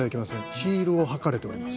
ヒールを履かれております。